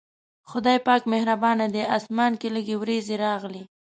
خدای پاک مهربانه دی، اسمان کې لږې وريځې راغلې.